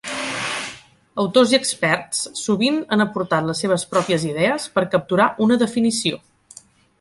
Autors i experts sovint han aportat les seves pròpies idees per capturar una definició.